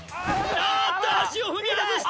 あっと足を踏み外した！